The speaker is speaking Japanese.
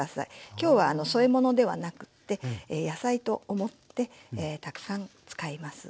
今日は添え物ではなくって野菜と思ってたくさん使います。